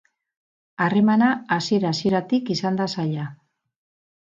Harremana hasiera-hasieratik izan da zaila.